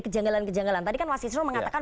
kejanggalan kejanggalan tadi kan mas isnur mengatakan